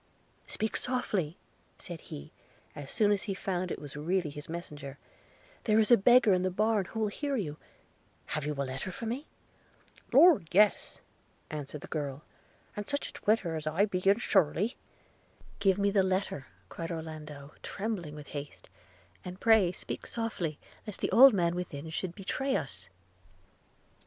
'Speak softly!' said he, as soon as he found it was really his messenger – 'there is a beggar in the barn who will hear you; have you a letter for me?' 'Lord, yes!' answered the girl; 'and such a twitter as I be in surely!' 'Give me the letter,' cried Orlando trembling with haste, 'and pray speak softly, lest the old man within should betray us!'